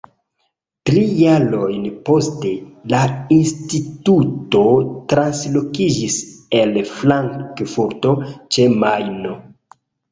Tri jarojn poste la instituto translokiĝis al Frankfurto ĉe Majno.